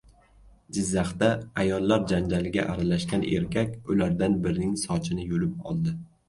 Jizzaxda ayollar janjaliga aralashgan erkak ulardan birining sochini yulib oldi